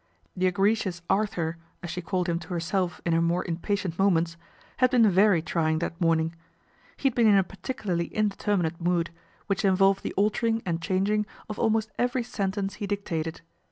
' The egregious Arthur," as she called him to herself in her more impatient moments, had been very trying that morning. He had been in a particularly indeter LORD PETER'S S.O.S. 117 minate mood, which involved the altering and changing of almost every sentence he dictated.